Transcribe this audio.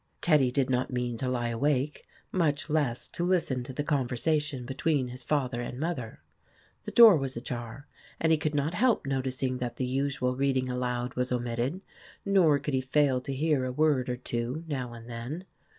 Teddy did not mean to lie awake, much less to listen to the conversation between his father and mother. The door was ajar, and he could not help noticing that the usual reading aloud was omitted ; nor could he fail to hear a word or two, now and then.